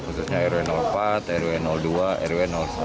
khususnya rw empat rw dua rw satu